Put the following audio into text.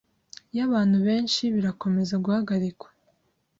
y'abantu benshi birakomeza guhagarikwa